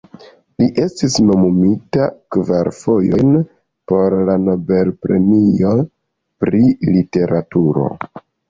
Li estis nomumita kvar fojojn por la Nobel-premio pri literaturo.